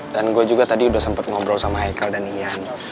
dan gue juga tadi udah sempet ngobrol sama heikal dan ian